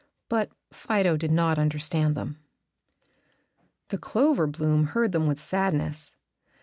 But Fido did not understand them. The clover bloom heard them with sadness.